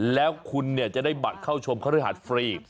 แล้วคุณจะได้บัตรเข้าชมคฤหัสฟรี